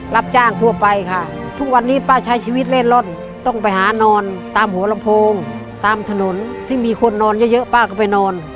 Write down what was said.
รับจ้างทั่วไปค่ะทุกวันนี้ป้าใช้ชีวิตเล่นร่อนต้องไปหานอนตามหัวลำโพงตามถนนที่มีคนนอนเยอะเยอะป้าก็ไปนอน